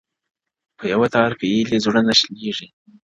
په يوه تار پېيلي زړونه شلېږي”